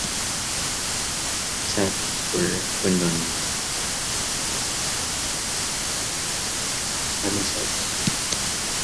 After touring in support of "A Taste for the Perverse", the band broke up.